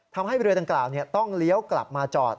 ทำให้เรือดังกล่าวต้องเลี้ยวกลับมาจอด